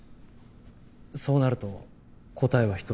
そうなると答えは一つ。